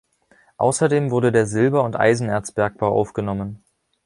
Außerdem wurde der Silber- und Eisenerz-Bergbau aufgenommen.